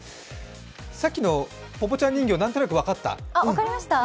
さっきのぽぽちゃん人形、何となく分かった。